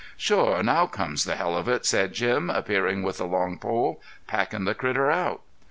"Shore, now comes the hell of it," said Jim appearing with a long pole. "Packin' the critter out."